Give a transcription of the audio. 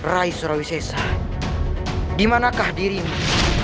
rai surawisesa dimanakah dirimu